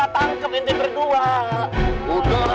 makanya salah tangkep yang dia berdua